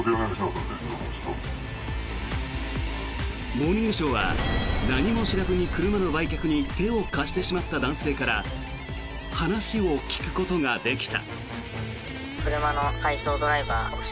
「モーニングショー」は何も知らずに車の売却に手を貸してしまった男性から話を聞くことができた。